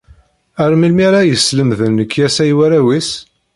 Ar melmi ara yeslemden lekyasa i warraw-is?